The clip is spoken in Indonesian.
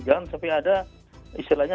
jangan sampai ada istilahnya